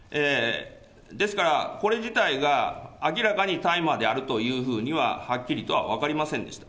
ですからこれ自体が明らかに大麻であるというふうにははっきりとは分かりませんでした。